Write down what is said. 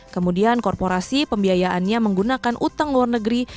kemudian korporasi pembiayaannya menggunakan utang luar negeri